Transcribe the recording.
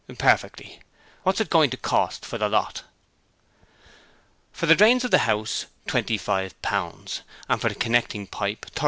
'Perfectly. What's it going to cost for the lot?' 'For the drains of the house, £25.0.0. and for the connecting pipe £30.0.